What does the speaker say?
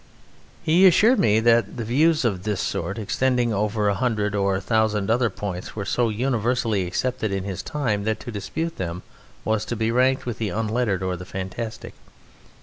He assured me that views of this sort, extending over a hundred or a thousand other points, were so universally accepted in his time that to dispute them was to be ranked with the unlettered or the fantastic.